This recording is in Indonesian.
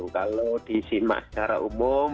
kalau di sinmak secara umum